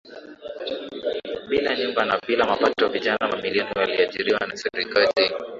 bila nyumba na bila mapato vijana mamilioni waliajiriwa na serikali